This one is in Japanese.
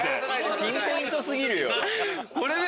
ピンポイント過ぎるよ。